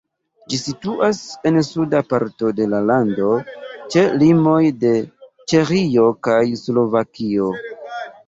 Ĝi situas en suda parto de la lando ĉe limoj de Ĉeĥio kaj Slovakio.